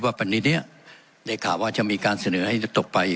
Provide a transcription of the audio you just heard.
วันนี้เนี่ยในข่าวว่าจะมีการเสนอให้ตกไป